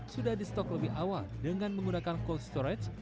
sudah di stok lebih awal dengan menggunakan cold storage